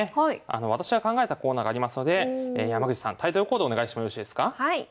私が考えたコーナーがありますので山口さんタイトルコールお願いしてもよろしいですか？